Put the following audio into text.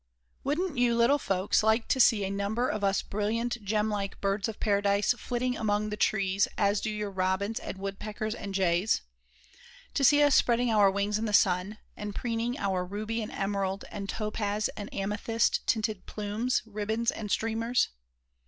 Wouldn't you little folks like to see a number of us brilliant, gem like Birds of Paradise flitting among the trees as do your Robins and Woodpeckers and Jays? To see us spreading our wings in the sun, and preening our ruby and emerald and topaz and amethyst tinted plumes, ribbons, and streamers?